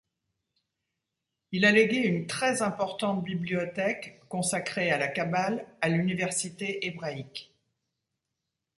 Il a légué une très importante bibliothèque consacrée à la kabbale à l'Université hébraïque.